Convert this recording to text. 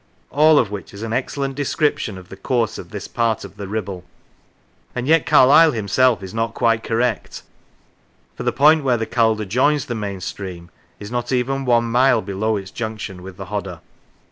All of which is an excellent description of the course of this part of the Kibble; and yet Carlyle himself is not quite correct, for the point where the Calder joins the main stream is not even one mile below its junction with the Hodder.